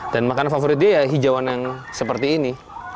dan makanan favoritnya hijauan yang seperti ini